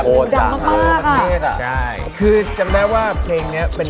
โอโหอันดับบิ่งฮาเลย